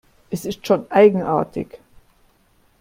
Es ist schon eigenartig.